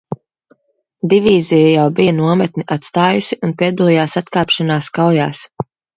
Divīzija jau bija nometni atstājusi un piedalījās atkāpšanās kaujās.